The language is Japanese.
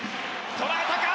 捉えたか！